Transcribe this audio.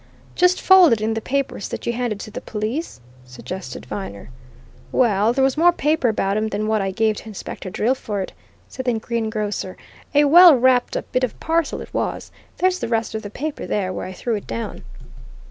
"Just folded in the papers that you handed to the police?" suggested Viner. "Well, there was more paper about 'em than what I gave to Inspector Drillford," said the greengrocer. "A well wrapped up bit of parcel it was there's the rest of the paper there, where I threw it down."